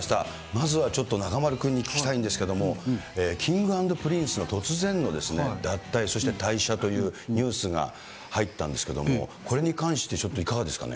まずはちょっと中丸君に聞きたいんですけれども、Ｋｉｎｇ＆Ｐｒｉｎｃｅの突然の脱退、そして退所というニュースが入ったんですけれども、これに関して、ちょっといかがですか？